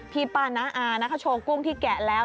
พี่ป้าน้าอานะเขาโชว์กุ้งที่แกะแล้ว